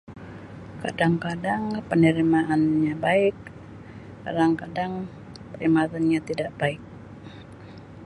Kadang-kadang penerimaannya baik, kadang-kadang penerimaannya tidak baik.